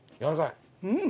うん！